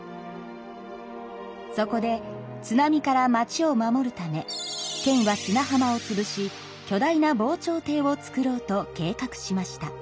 そこで津波から町を守るため県は砂浜をつぶし巨大な防潮堤を造ろうと計画しました。